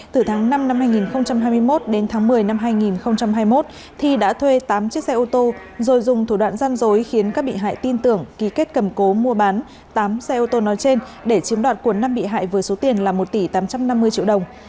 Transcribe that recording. từ tháng năm năm hai nghìn hai mươi một đến tháng một mươi năm hai nghìn hai mươi một thi đã thuê tám chiếc xe ô tô rồi dùng thủ đoạn gian dối khiến các bị hại tin tưởng ký kết cầm cố mua bán tám xe ô tô nói trên để chiếm đoạt cuốn năm bị hại với số tiền là một tỷ tám trăm năm mươi triệu đồng